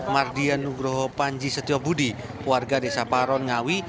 mardian nugroho panji setiobudi warga desa paron ngawi